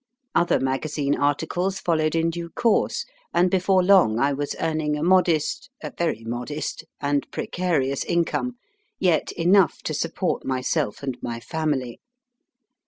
Other magazine articles followed in due course, and before lon<r I was earning o o GRANT ALLEN 47 a modest a very modest and precarious income, yet enough to support myself and my family.